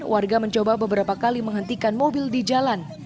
warga mencoba beberapa kali menghentikan mobil di jalan